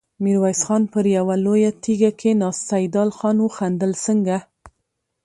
ميرويس خان پر يوه لويه تيږه کېناست، سيدال خان وخندل: څنګه!